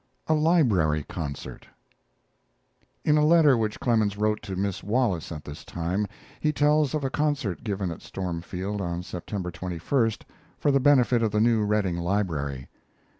A LIBRARY CONCERT In a letter which Clemens wrote to Miss Wallace at this time, he tells of a concert given at Stormfield on September 21st for the benefit of the new Redding Library.